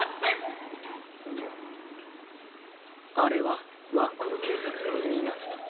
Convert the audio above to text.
こころのこえあれはワンコロけいさつのみなさん。